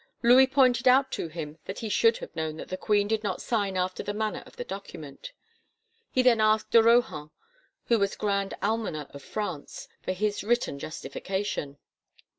Louis pointed out to him that he should have known that the queen did not sign after the manner of the document. He then asked de Rohan, who was Grand Almoner of France, for his written justification.